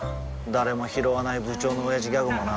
誰もひろわない部長のオヤジギャグもな